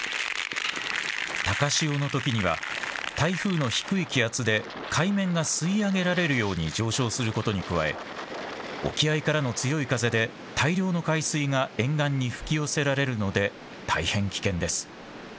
高潮のときには大風の低い気圧で海面が吸い上げられるように上昇することに加え沖合からの強い風で大量の海水が沿岸に吹き寄せられるので大変危険です。